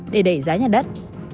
để đẩy giá nhà đất